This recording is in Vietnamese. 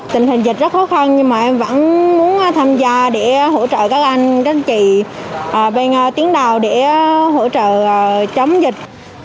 tình hình dịch rất khó khăn nhưng mà em vẫn muốn tham gia để hỗ trợ các anh các chị bên tiếng đào để hỗ trợ chống dịch